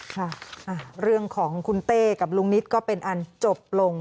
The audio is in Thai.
ค่ะเรื่องของคุณเต้กับลุงนิดก็เป็นอันจบลง